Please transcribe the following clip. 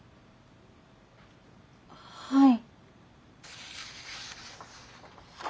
はい。